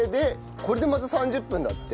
これでまた３０分だって。